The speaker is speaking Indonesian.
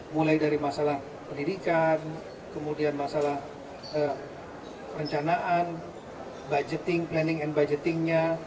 mulai dari masalah pendidikan kemudian masalah perencanaan budgeting planning and budgetingnya